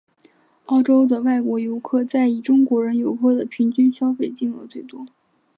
澳洲的外国游客在以中国人游客的平均消费金额最多。